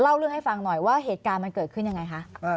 เรื่องให้ฟังหน่อยว่าเหตุการณ์มันเกิดขึ้นยังไงคะ